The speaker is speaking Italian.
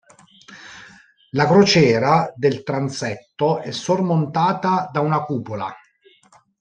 La crociera del transetto è sormontata da una cupola.